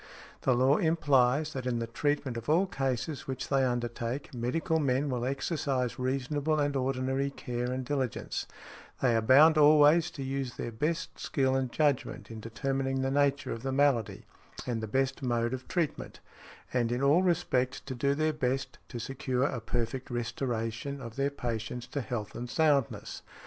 The law implies that in the treatment of all cases which they undertake medical men will exercise reasonable and ordinary care and diligence; they are bound always to use their best skill and judgment in determining the nature of the malady and the best mode of treatment, and in all respects to do their best to secure a perfect restoration of their patients to health and soundness.